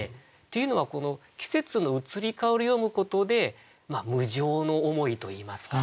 というのはこの季節の移り変わりを詠むことで無常の思いといいますか。